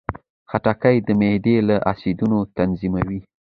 خټکی د معدې اسیدونه تنظیموي.